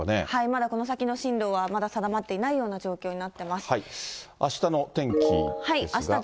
まだこの先の進路は、まだ定まっていないような状況になってあしたの天気ですが。